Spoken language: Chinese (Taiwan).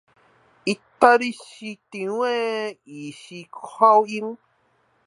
義大利市長義式的口音